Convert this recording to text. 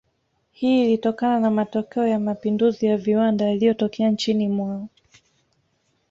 Hii ilitokana na matokeo ya mapinduzi ya viwanda yaliyotokea nchini mwao